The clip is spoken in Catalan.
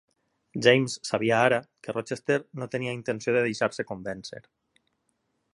James sabia ara que Rochester no tenia intenció de deixar-se convèncer.